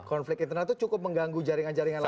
konflik internal itu cukup mengganggu jaringan jaringan lama